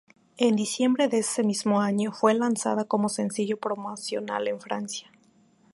En diciembre de ese mismo año, fue lanzada como sencillo promocional en Francia.